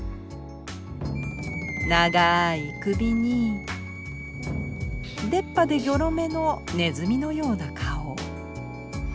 長い首に出っ歯でギョロ目のねずみのような顔。